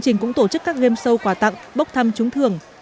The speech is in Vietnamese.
các game show cũng tổ chức các game show quà tặng bốc thăm chúng thường